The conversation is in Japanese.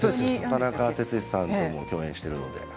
田中哲司さんとも共演しています。